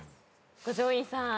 五条院さん。